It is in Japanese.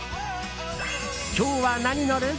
今日はなに乗る？